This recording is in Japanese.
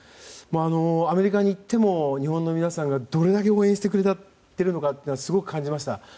アメリカに行っても日本の皆さんがどれだけ応援してくれているかってすごく感じました。